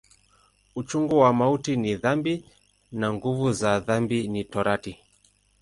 Uchungu wa mauti ni dhambi, na nguvu za dhambi ni Torati.